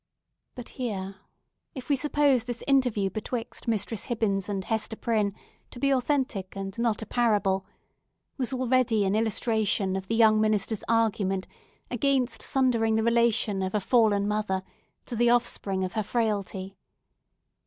But here—if we suppose this interview betwixt Mistress Hibbins and Hester Prynne to be authentic, and not a parable—was already an illustration of the young minister's argument against sundering the relation of a fallen mother to the offspring of her frailty.